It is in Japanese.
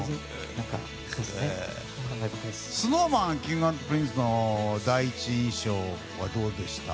ＳｎｏｗＭａｎはＫｉｎｇ＆Ｐｒｉｎｃｅの第一印象はどうでした？